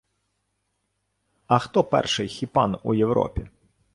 А хто перший хіпан у Європі?